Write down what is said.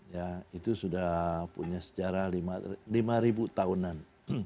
ya itu sudah punya sejarah lima ribu tahunan